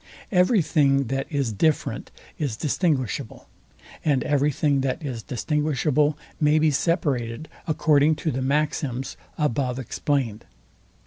Every thing, that is different is distinguishable: and everything, that is distinguishable, may be separated, according to the maxims above explained.